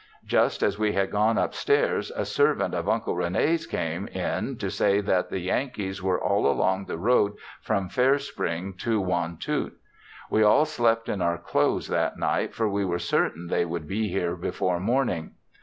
Just as we had gone up stairs a servant of Uncle Rene's came in to say that the Yankees were all along the road from Fairspring to Wantoot. We all slept in our clothes that night for we were certain they would be here before morning.